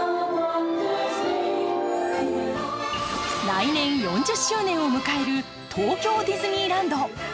来年４０周年を迎える東京ディズニーランド。